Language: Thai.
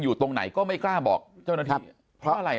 อยู่ตรงไหนก็ไม่กล้าบอกเจ้าหน้าที่เพราะอะไร